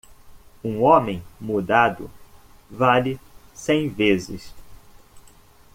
Um homem mudado vale cem vezes.